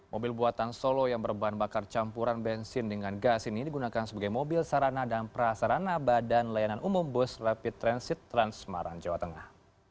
mobil buatan solo yang berbahan bakar campuran bensin dengan gas ini digunakan sebagai mobil sarana dan prasarana badan layanan umum bus rapid transit trans semarang jawa tengah